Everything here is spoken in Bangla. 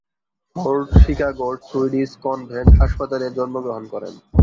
ফোর্ড শিকাগোর সুইডিশ কনভেন্ট হাসপাতালে জন্মগ্রহণ করেন।